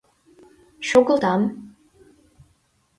Шогылтам...